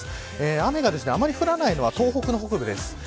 雨があまり降らないのが東北の北部です。